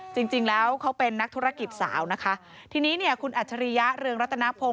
จริงจริงแล้วเขาเป็นนักธุรกิจสาวนะคะทีนี้เนี่ยคุณอัจฉริยะเรืองรัตนพงศ